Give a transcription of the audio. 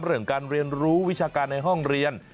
เรื่องการเรียนรู้วิชาการในห้องเรียน